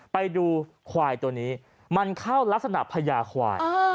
ไปดูควายตัวนี้มันเข้ารักษณะพญาควาย